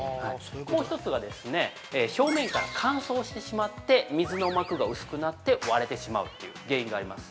もう一つが、表面から乾燥してしまって水の膜が薄くなって割れてしまうという原因があります。